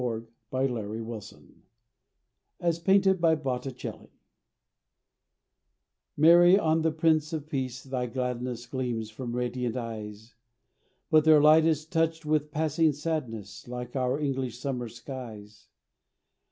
XXXVI MATER AMABILIS AS PAINTED BY BOTTICELLI MARY, on the Prince of peace thy gladness Gleams from radiant eyes; But their light is touched with passing sadness, Like our English summer skies.